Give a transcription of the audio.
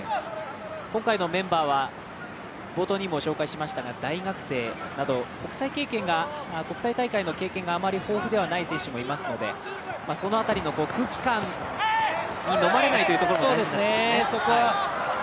今回のメンバーは大学生など国際大会の経験があまり豊富でない選手もいますのでその辺りの空気感にのまれないということも大事ですね。